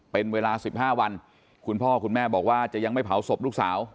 เป็นเวลาสิบห้าวันคุณพ่อคุณแม่บอกว่าจะยังไม่เผาศพลูกสาว